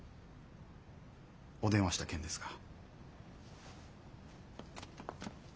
お電話した件ですが。